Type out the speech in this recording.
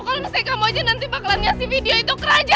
kalau misalnya kamu aja nanti bakalan ngasih video itu ke raja